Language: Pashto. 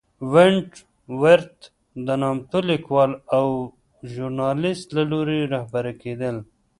ونټ ورت د نامتو لیکوال او ژورنالېست له لوري رهبري کېدل.